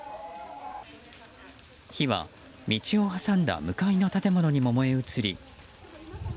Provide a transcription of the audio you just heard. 火は道を挟んだ向かいの建物にも燃え移り。